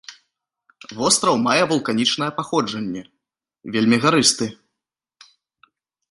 Востраў мае вулканічнае паходжанне, вельмі гарысты.